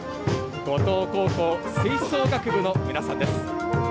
五島高校吹奏楽部の皆さんです。